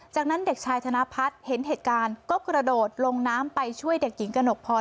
จากนั้นเด็กชายธนพัฒน์เห็นเหตุการณ์ก็กระโดดลงน้ำไปช่วยเด็กหญิงกระหนกพร